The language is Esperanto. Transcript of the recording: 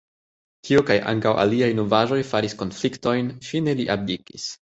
Tio kaj ankaŭ aliaj novaĵoj faris konfliktojn, fine li abdikis.